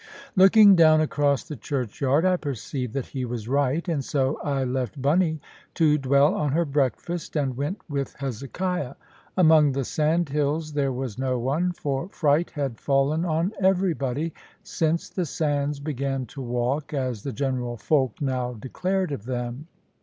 Looking down across the churchyard, I perceived that he was right; and so I left Bunny to dwell on her breakfast, and went with Hezekiah. Among the sandhills there was no one; for fright had fallen on everybody, since the sands began to walk, as the general folk now declared of them.